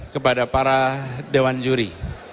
kepada para dewan juri